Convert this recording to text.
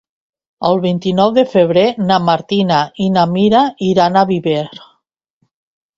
El vint-i-nou de febrer na Martina i na Mira iran a Viver.